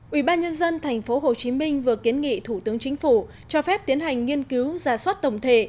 ủy ban nhân dân tp hcm vừa kiến nghị thủ tướng chính phủ cho phép tiến hành nghiên cứu giả soát tổng thể